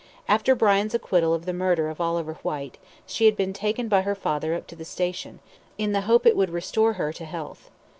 After Brian's acquittal of the murder of Oliver Whyte, she had been taken by her father up to the station, in the hope that it would restore her to health.